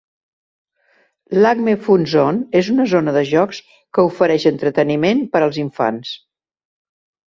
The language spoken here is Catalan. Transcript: L'Acme Fun Zone és una zona de jocs que ofereix entreteniment per als infants.